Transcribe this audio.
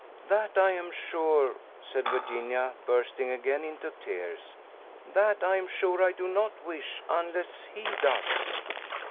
"That, I am sure," said Virginia, bursting again into tears, "that, I am sure, I do not wish, unless he does."